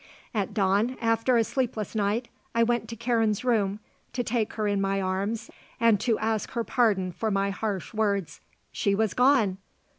"At dawn, after a sleepless night, I went to Karen's room to take her in my arms and to ask her pardon for my harsh words. She was gone.